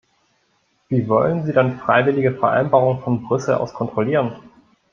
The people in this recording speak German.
Wie wollen Sie dann freiwillige Vereinbarungen von Brüssel aus kontrollieren?